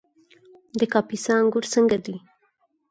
د کاپیسا انګور څنګه دي؟